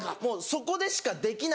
そこでしかできない。